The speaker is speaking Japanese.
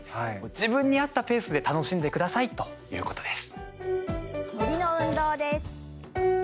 自分に合ったペースで楽しんでくださいということです。